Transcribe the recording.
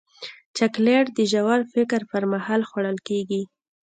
چاکلېټ د ژور فکر پر مهال خوړل کېږي.